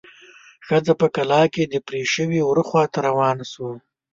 ښځه په کلا کې د پرې شوي وره خواته روانه شوه.